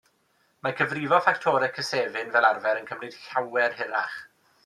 Mae cyfrifo ffactorau cysefin, fel arfer, yn cymryd llawer hirach!